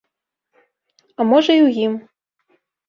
А можа, і ў ім.